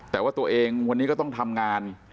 แต่ว่าตัวเองวันนี้ก็ต้องทำงาน